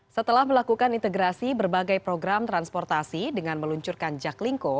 setelah melakukan integrasi berbagai program transportasi dengan meluncurkan jaklingko